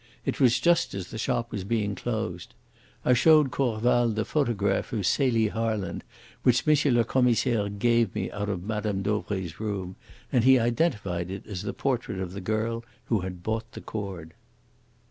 It was just as the shop was being closed. I showed Corval the photograph of Celie Harland which M. le Commissaire gave me out of Mme. Dauvray's room, and he identified it as the portrait of the girl who had bought the cord."